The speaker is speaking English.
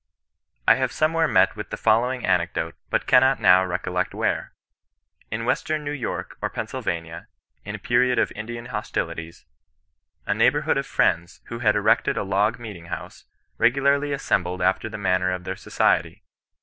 I have somewhere met with the following anecdote, but cannot now recollect where. In western Kew York CHEISTIAN NON RESISTANCE. 121 or Pennsylvania, in a period of Indian hostilities, a neighbourhood of Friends, who had erected a log meeting house, regulariy assembled after the manner of their Society.